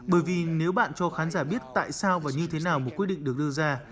bởi vì nếu bạn cho khán giả biết tại sao và như thế nào một quyết định được đưa ra